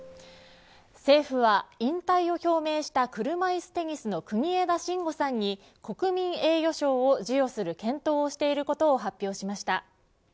政府は引退を表明した車いすテニスの国枝慎吾さんに国民栄誉賞を授与する検討をしていることを発表しました。